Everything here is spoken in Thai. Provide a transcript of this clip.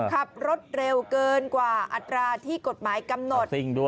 ขับรถเร็วเกินกว่าอัตราที่กฎหมายกำหนด